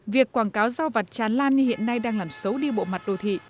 việc quảng cáo giao vặt tràn lan như hiện nay đang làm xấu đi bộ mặt đô thị